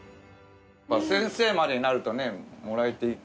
先生までなるとねもらえていい。